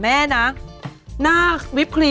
ปันแก้ซิฟันปลอป